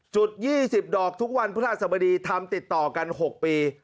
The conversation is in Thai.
จุด๒๐ดอกทุกวันพฤหัสบดีทำติดต่อกัน๖ปี